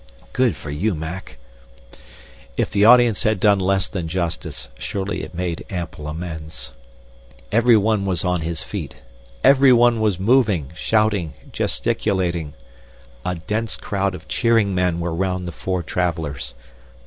(Good for you, Mac!) "If the audience had done less than justice, surely it made ample amends. Every one was on his feet. Every one was moving, shouting, gesticulating. A dense crowd of cheering men were round the four travelers.